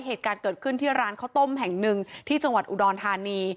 เหตุการณ์เกิดขึ้นที่ร้านข้าวต้มแห่งหนึ่งที่จังหวัดอุดรธานี